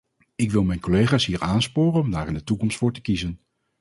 Ik wil mijn collega's hier aansporen om daar in de toekomst voor te kiezen.